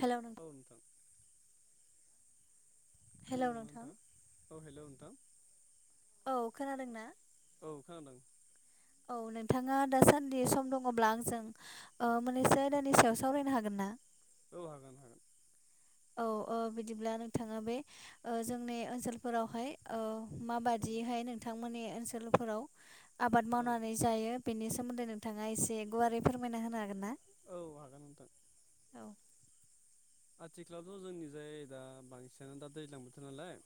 Hello नोंथां। औ नोंथां। हेलौ नोंथां। औ हेलौ नोंथां। औ खोनादों ना? औ खोनादों। औ नोंथाङा दासान्दि सम दङब्ला आंजों ओ माननौसो आयदानि सायाव सावरायनो हागोन ना? औ हागोन नोंथां। औ ओ बिदिब्ला नोंथाङा बे ओ जोंनि ओनसोलफोरावहाय ओ औ माबादिहाय नोंथांमोननि ओनसोलफोराव आबाद औ मावनानै जायो बेनि सोमोन्दै नोंथाङा एसे गुवारै फोरमायना होनो हागोन ना। औ हागोन नोंथां। औ। आथिखालावथ' जोंनि जाय दा बांसिनानो दा दैज्लां बोथोर नालाय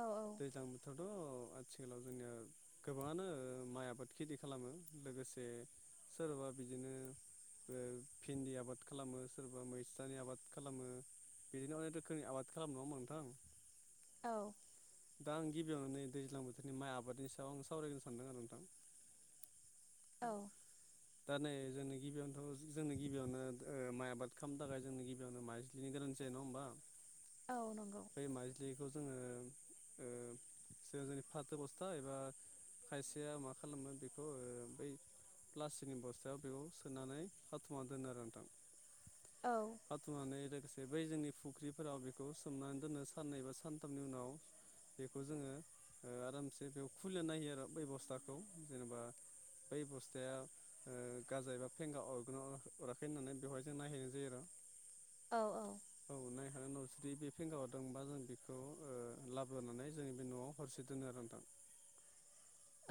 औ दैज्लां बोथोर थ' आथिखालाव जोंनिया गोबाङानो माइ आबाद खेथि खालामो लोगोसे सोरबा बिदिनो ओ भिन्दि आबाद खालामो सोरबा मैस्थानि आबाद खालामो। बिदिनो अनेक रोखोमनि आबाद खालाम नङा होनबा नोंथां? औ। दा आं गिबियावनो नै दैज्लां बोथोरनि माइ आबादनि सायाव आं सावरायगोनो सानदों आरो नोंथां। औ। दा नै जोंनि गिबियावनोथ' जोंनि गिबियावनो ओ माइ आबाद खालामनो थाखाय जोंनि गिबियावनो माइ नि गोनां जायो नङा होनबा? औ नंगौ। बे माइजलिखौ जोङो ओ ज जोंनि फाथो बस्था एबा खायसेया मा खालामो बेखौ ओ बै प्लास्टिकनि बस्थायाव बेखौ सोनानै खाथुमना दोनो आरो नोंथां। औ। खाथुमनानै लोगोसे बै जोंनि फुख्रिफोराव बेखौ सोमनानै दोनो साननै बा सानथामनि उनाव बेखौ जोङो ओ आरामसे बेयाव खुलिना नायो आरो बे ब'स्थाखौ जेनेबा बै बस्थाया। ओ-गाजा एबा फेंगा अरग-अराखै होननानै बेवहाय जों नायहैनाय जायो आरो। औ औ नायखांनायनि उनाव जुदि बे फेंगा हरदोंबावा जों बेखौ लाब [unintelligible] बोनानै जोंनि बे न'आव हरसे दोनो आरो नोंथां।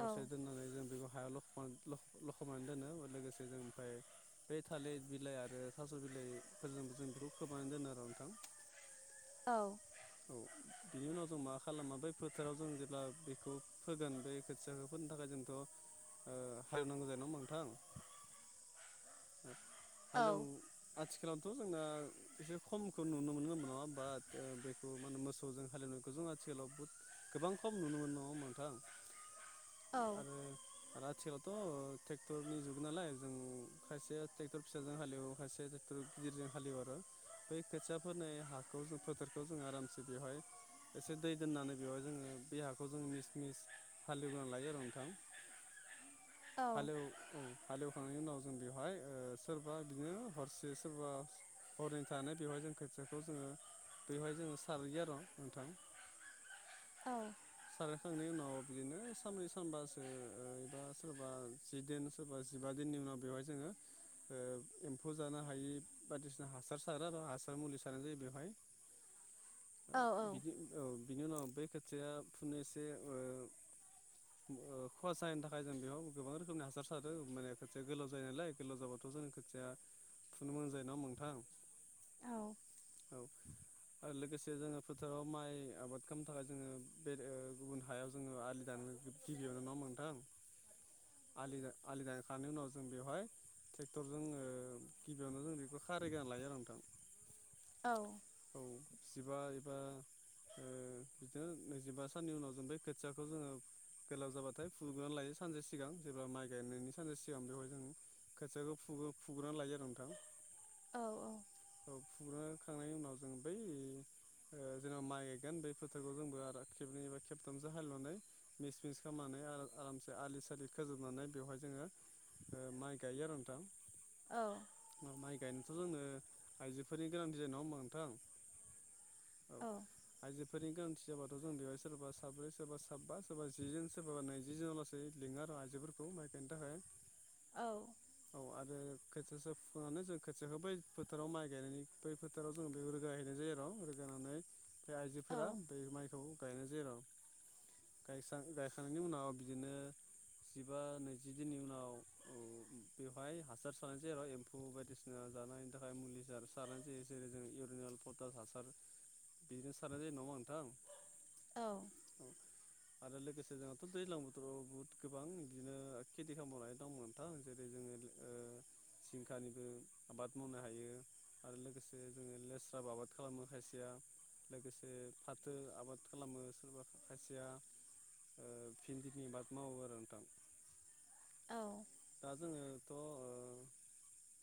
औ दोननानै जों बेखौ हायाव ल' लखमनानै दोनो लोगोसे जों ओमफाय बे थालिर बिलाइ आरो थास' बिलाइफोरजोंबो जों बेखौ खोमानानै दोनो आर नोंथां औ औ बिनि उनाव जमा खालामा बै फोथाराव जों जेब्ला बेखौ फोगोन बै खोथियाखौ फोनो थाखाय जोंथ' ओ-हालेवनांगौ जायो नङा होनबा नोंथां। औ हालेव आथिखालावथ' जोंना एसे खमखौ नुनो मोनगोन नङा होनबा? बाट बेखौ मा होनो मोसौजों हालेवनो खौ जों आथिखालाव बहुथ गोबां खम नुनो मोनो नङा होनबा नोंथां। औ आरो आथिखाल थ' ट्रेक्टरनि जुग नालाय जों खायसे ट्रेक्टर फिसाजों हालेवो खायसे थर गिदिरजों हालेवरो बै खोथिया फोनाय हाखौ जों फोथारखौ जों आरामसे बेवहाय एसे दै दोननानै बेवहाय जोङो बे हाखौ जों मिस मिस हालेव ग्रोना लायो आरो नोंथां। [unintelligible] हालेव औ हालेवखांनायनि उनाव जों बेवहाय ओ-सोरबा बिदिनो हरसे सोरबा हरनै थानाय बेवहाय जों खोथियाखौ जोङो बेवहाय जोङो सारहैयो आर' नोंथां। औ सारायखांनायनि उनाव बिदिनो सानब्रै सानबासो ओ-एबा सोरबा जि दिन सोरबा जिबा दिननि उनाव बेवहाय जोङो। ओ-एम्फौ जानो हायि बायदिसिना हासार सारो आरो हासार मुलि सारनाय जायो बेवहाय। [unintelligible] ओ-बिदि औ बिनि उनाव बै खोथियाया फुनो एसे ओ- खहा जाहैनि थाखाय जों बेयाव गोबां रोखोमनि हासार सारो माने खोथिया गोलाव जायो नालाय। गोलाव जाबाथ' जों खोथिाया थुनो मोजां जायोना नङा होनबा नोंथां? औ औ ओ-लोगोसे जोङो फोथाराव माइ आबाद खालामनो थाखाय जोङो बे ओ- गुबुन हायाव जोङो आलि दानो गिबियावनो नङा होनबा नोंथां। [unintelligible] आलि-आलि दानखांनायनि उनाव जों बेवहाय ट्रेक्टर जोङो गिबियावनो जों बेखौ खारिगोरना लायो आरो नोंथां। औ औ जिबा एबा [unintelligible] बिदिनो नैजिबा साननि उनाव जों बे खोथियाखौ जोङो गोलाव जाबाथाय फुग्रोनानै लायो सानसे सिगां जेब्ला माइ गायनायनि सानसे सिगां बेवहाय जों खोथियाखौ [unintelligible] फुग्रोनानै लायो आरो नोंथां। औ औ फुग्रोखांनायनि उनाव जों बै ओ जोंहा माइ गोन बेै फोथारखौ जोंबो आरो खेबनैबा खेबथामसो हालेवनानै मिस मिस खालामनानै [unintelligible] आरामसे आलि सालि खोजोबनानै बेवहाय जोङो ओ माइ गायो आरो नोंथां। औ माइ गायनोथ' जोंङो आइजोफोरनि गोनांथि जायो नङा होनबा नोंथां औ। फोरनि गोनांथि जाबाथ' जों बेवहाय सोरबा साब्रै सोरबा साबा सोरबा जि जोन सोरबा नैजि जनाव लासै [unintelligible] माइ गायनो थाखाय औ आरो खोथिया सो फुखांनानै जों खोथियाखौ बै फोथाराव माइ गायनायनि बै फोथाराव जोंङो बे रोगाहैनाय जायो र' रोगानानै जा औ आइजोफोरा बे माइखौ गायनाय जायो र'। गायसां-गायखांनायनि उनाव बिदिनो जिबा नैजि दिननि उनाव औ बेवहाय हासार सारनोसै आरो एम्फौ बायदिसिना जानायनि थाखाय मुलि सा सारनाय जायो जेरै जों इउरिनाल पटास हासार बिदिनो सारनाय जायो नङा होमबा नोंथां। औ। औ आरो लोगोसे जोंहाथ' दैज्लां बोथोराव बहुथ गोबां बिदिनो खेथि खालाम बावनाय दंमोन। [inaudible] जिंखानिबो आबाद मावनो हायो। आरो लोगोसे जोङो लेस्राबो आबाद खालामो खायसेया लोगोसे फाथो आबाद खालामो सोरबा खायसेया ओ भिनदिनि बाद मावो आरो नोंथां। दा जोङोथ' ओ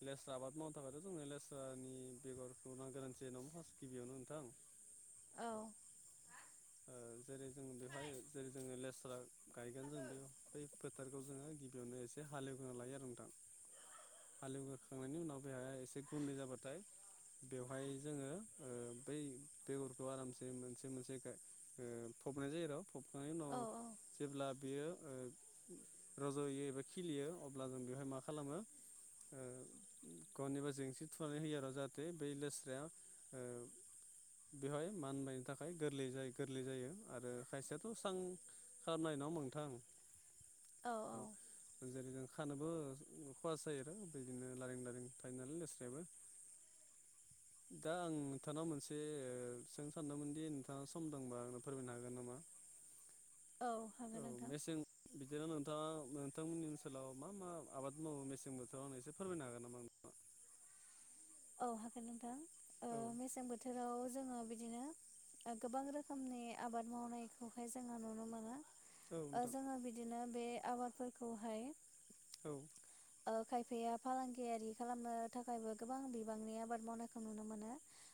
लेस्रा आबाद मावनो थाखायथ' जोंनो लेस्रानि बेगरखौ नांगो गोनांथि जायो नङा होमबा फार्स्ट गिबियावनो नोंथां औ। ओ जेरै जोङो बेवहाय जेरै जोङो लेस्रा गायगोन जों बे बै फोथारखौ जोङो गिबियावनो एसे हालेवग्रोना लायो आरो नोंथां। हालेवहोखांनायनि उनाव बे हाया एसे गुन्दै जाबाथाय बेवहाय जोङो ओ बै बेगरखौ आरामसे मोनसे मोनसे गाय ओ फबनाय जायो र' फबखांनायनि उनाव औ जेब्ला बेयो ओ रज'यो एबा खिलियो अब्ला जों बेवहाय मा खालामो ओ गनिबा जेंसि थुनानै होयो आरो जाहाथे बै लेस्राया ओ बेवहाय मानबायनो थाखाय गोरलै जाय गोरलै जायो आरो खायसेयाथ' सां खालामनाय नङा मोनथां। औ औ जेरै जों खानोबो खहासो जायो आरो बिदिनो लारिें लारिं थायो नालाय लेस्रायाबो दा आं नोंथांनाव मोनसे ओ सों सानदोंमोनदि नोंथाङा सम दंबा आंनो फोरमायनो हागोन नामा औ औ हागोन नोंथां मेसें बिदिनो नोंथाङा नोंथांमोननि ओनसोलाव मा मा आबाद मावो मेसें बोथोराव आंनो एसे फोरमायनो हागोन नामा नोंथाङा। औ हागोन नोंथां ओ औ मेसें बोथोराव जोङो बिदिनो ओ गोबां रोखोमनि आबाद मावनायखौहाय जोङो नुनो मोनो औ ओ नोंथां जोङो बि दिनो बे आबादफोरखौहाय औ। ओ खायफाया फालांगियारि खालामनो थाखायबो गोबां बांनि आबाद मावनायखौ नुनो मोनो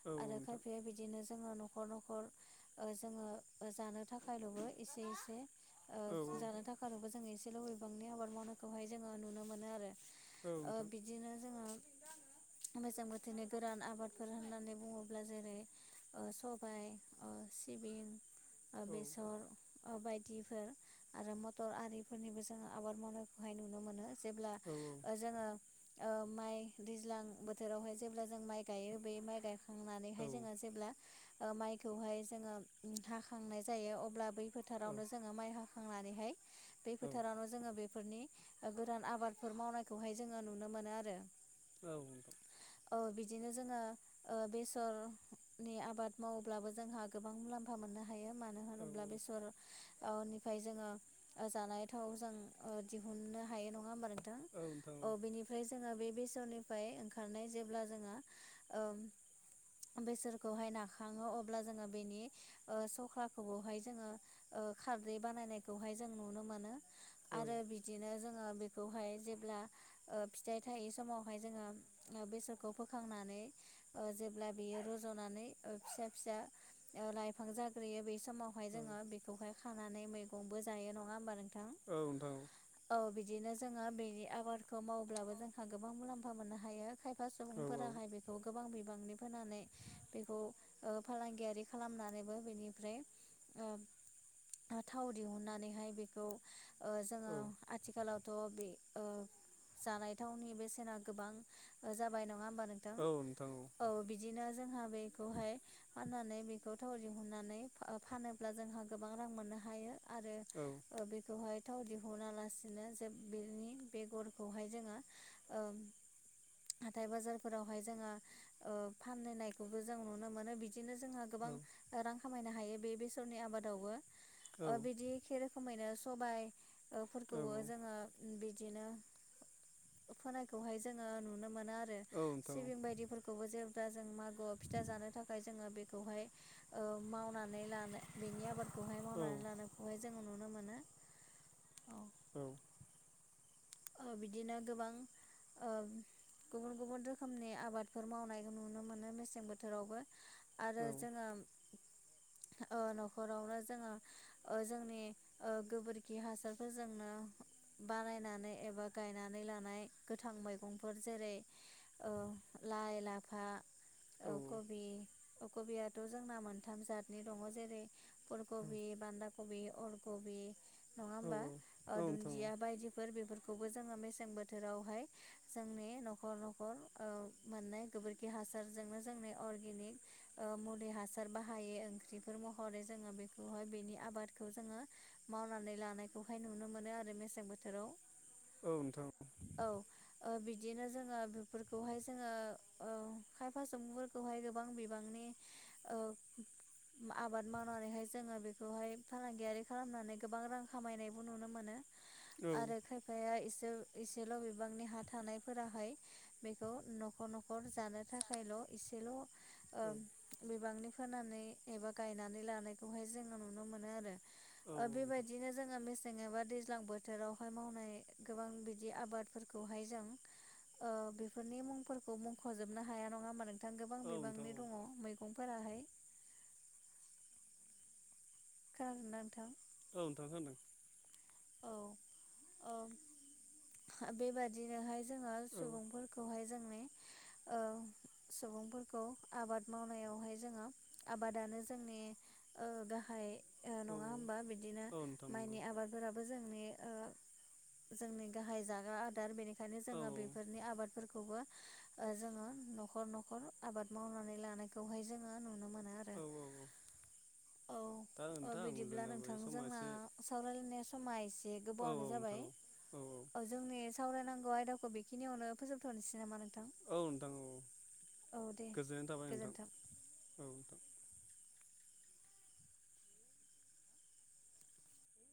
औ आरो नोंथां खायफाया बिदिनो जोङो न'खर न'खर ओ जोङो जानो थाखायल'बो एसे एसे औ ओ जानो थाखारबो जोङो एसेल' बिबांनि आबाद मावनायखौहाय जोङो नुनो मोनो आरो। औ नोंथां ओ बिदिनो जोङो मोजां बोथोरनि गोरान आबादफोर होननानै बुङोब्ला जेरै ओ सबाय ओ सिबिं ओ औ बेसर बायदिफोर आरो मटर आरिफोरनिबो जोङो आबाद मावनायखौहाय नुनो मोनो जेब्ला औ औ ओ जोङो ओ माइ दैज्लां बोथोरावहाय जेब्ला जों माइ गायो बे माइ गाय औ खांनानैहाय जोङो जेब्ला ओ माइखौहाय जोङो हाखांनाय जायो अब्ला बै फोथारावनो जोङो माइ हाखांनानैहाय बे फोथारावनो जोङो बेफोरनि गोदान आबादफोर मावनायखौहाय जोङो नुनो मोनो आरो औ नोंथां औ बिदिनो जोङो बेसरनि आबाद मावोब्लाबो जोंहा गोबां मुलाम फा मोननो हायो मानो औ होनोब्ला औ बेसर निफ्राय जोङो जानाय थाव जों दिहुननो हायो नङा होमबा औ नोंथां औ बिनिफाय जोङो बे बेसरनिफाय ओं खारनाय जेब्ला जोङो ओं बैसोरखौहाय नाखाङो अब्ला जोङो बेनि ओ सख्लाखौबोहाय जोङो ओ खारदै बानायनायखौहाय जों नुनो मोनो औ आरो बिदिनो जोङो बेखौहाय जेब्ला ओ फिथाइ थायि समावहाय जोङो बेसरखौ फोखांनानै ओ जेब्ला बेयो रज'नानै फिसा फिसा लाइफां जाग्रोयो बे समाव बेहाय औ जोङो बेखौहाय खानानै मैगंबो जायो नङा होमबा नोंथां औ नोंथां औ औ बिदिनो जोङो बेनि आबादखौ मावब्लाबो जोंहा गोबां मुलाम्फा मोननो हायो खायफा औ सुबुंफोराहाय बेखौ गोबां बिबांनि फोनानै बेखौ ओ फालांगियारि खालामनानैबो बेनिफ्राय ओ थाव दिहुननानैहाय बेखौ ओ जोङो औ आथिखालावथ' बे ओ जानाय थावनि बेसेना गोबां जाबाय नङा होमबा नोंथां औ नोंथां औ बिदिनो जोंहा बेखौहाय फाननानै बेखौ थाव दिहुननानै फानोब्ला जोंहा गोबां रां मोननो हायो आरो औ बेखौहाय थाव दिहुना लासिनो जे बेनि बेगरखौहाय जोङो ओम हाथाय बाजारफोरावहाय जोङो ओ फाननो नायखौबो जों नुनो मोनो बि बिदिनो जोङो गोबां औ रां खामायनो हायो बे बेसरनि आबादावबो औ ओ बिदि एखे रोखोमैनो औ सबायफोरखौबो जोङो बिदिनो फोनायखौहाय जोङो नुनो मोनो आरो नोंथां सिबिं बायदिफोर बेखौबो जेब्ला जों मागोआव फिथा जानो थाखाय जोङो बेखौहाय ओ मावनानै नै लानाय बेनि आबादखौहाय औ मावनानै लानायखौहाय जों नुनो मोनो औ औ ओ बिदिनो गोबां ओं गुबुन गुबुन रोखोमनि आबादफोर मावनायखौ नुनो मोनो मेसें बोथोरावबो आरो जोङो ओ न'खरावनो जोङो ओ जोंनि गोबोरखि हासारफोरजोंनो बानायनानै एबा गायनानै लानाय गोथां मैगंफोर जेरै औ लाइ लाफा औ कबि कबियाथ' जोंना मोनथाम जातनि दङ' जेरै फुलकबि बान्दा कबि अल कबि नङा औ होमबा औ नोंथां औ नोंथां औ नोंथां दुन्दिया बायदि फोर बेफोर खौबो जोङो मेसें बोथोरावहाय जोंनि न'खर न'खर ओ मोननाय गोबोर खि हासारजोंनो जोंनि अर्गेनिक ओ मुलि हासार बाहाय ओंख्रिफोर महरै जोङो बेखौहाय बेनि आबादखौ जोङो मावनानै लानायखौहाय नुनो मोनो आरो मेसें बोथोराव औ नोंथां औ ओ बिदिनो जोङो बेफोरखौहाय जोङो ओ खायफासुमुफोरखौहाय गोबां बिबांनि औ आबाद मावनानैहाय जोङो बेखौहाय फालांगियारि खालामनानै गोबां रां खामायनायबो नुनो मोनो। औ आरो नोंथां खायफाया एसे इसेल' बिबांनि हा थानायफोराहाय बेखौ न'खर न'खर जानो थाखायल' इसेल' बिबांनि फोनानै एबा गायनानै लानायखौहाय जोङो नुनो मोनो आरो। ओ बेबायदिनो जोङो मेसें एबा दैज्लां बोथोरावहाय मावनाय गोबां बिदि आबादफोरखौहाय जों ओ बेफोरनि मुंफोरखौ मुंख'जोबनो हाया नङा मान ने गोबां खोनादों बिबांनि दङ औ मैगंफोराहाय खोनादों ना नोंथां? औ नोंथां खोनादों औ औ बेबादिनोहाय जोङो सुबुंफोरखौहाय जोंनि ओ सुबुंफोरखौ आबाद मावनायावहाय जोङो आबादानो जोंनि ओ गाहाय नङा होमबा बिदिनो औ नोंथां नंगौ माइनि आबादफोराबो जोंनि ओ जोंनि गाहाय जाग्रा आदार बेनिखायनो औ जोङो बेफोरनि आबाद फोरखौबो जोङो न'खर न'खर आबाद मावनानै लानायखौहाय जोङो नुनो मोनो। औ औ दा औ नोंथां बिदिब्ला जोंनाबो नोंथां समा जोंना एसे सावरायलायनाय समा एसे औ औ गोबावानो जाबाय नोंथां औ औ जोंनि सावरायनांगौ आयदाखौ बेखिनियावनो फोजोबथ'नोसै नामा नोंथां? औ नोंथां औ औ दे गोजोननाय थाबाय नोंथां गोजोन्थों। औ नोंथां